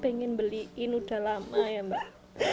pengen beliin udah lama ya mbak